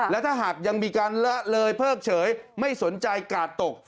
และถ้าหากยังมีการละเลยเพิกเฉยไม่สนใจกาดตก